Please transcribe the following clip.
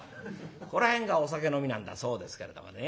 ここら辺がお酒飲みなんだそうですけれどもね。